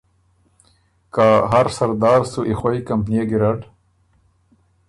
که هر سردار سُو ای خوئ کمپنئے ګیرډ